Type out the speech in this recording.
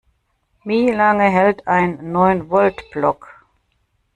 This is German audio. Wie lange hält ein Neun-Volt-Block?